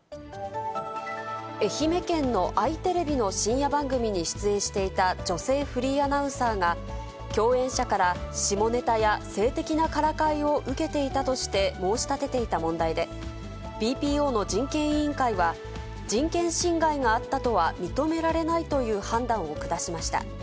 愛媛県のあいテレビの深夜番組に出演していた女性フリーアナウンサーが、共演者から下ネタや性的なからかいを受けていたとして申し立てていた問題で、ＢＰＯの人権委員会は、人権侵害があったとは認められないという判断を下しました。